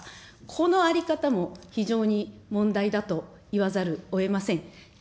この在り方も非常に問題だと言わざるをえません。